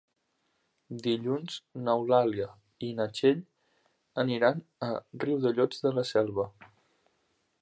Dilluns n'Eulàlia i na Txell aniran a Riudellots de la Selva.